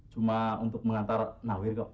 cuma untuk mengantar nahwir kok